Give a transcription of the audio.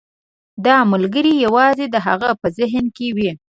دا ملګری یوازې د هغه په ذهن کې وي.